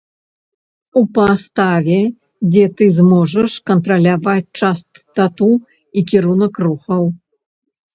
У паставе, дзе ты зможаш кантраляваць частату і кірунак рухаў.